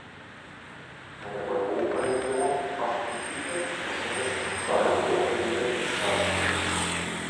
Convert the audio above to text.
Eine Europaregion umfasst Gebiete aus mindestens zwei kooperierenden Staaten.